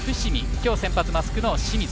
今日、先発マスクの清水。